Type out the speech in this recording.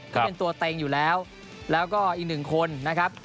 ก็เป็นตัวเต็งอยู่แล้วแล้วก็อีกหนึ่งคนนะครับ